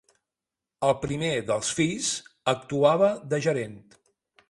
El primer dels fills actuava de gerent.